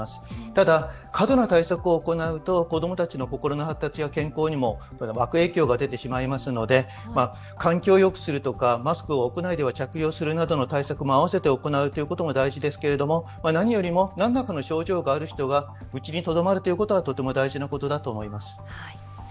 ただ過度な対策を行うと子供たちの心の発達や健康にも悪影響が出てしまいますので、換気をよくするとか、マスクを屋内では着用するなどの対策を行うことも大切ですが何よりも何らかの症状がある人はうちにとどまることはとても大事だと思います。